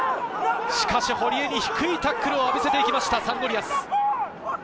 しかし、堀江に低いタックルを浴びせていきましたサンゴリアス。